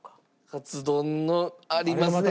カツ丼のありますね。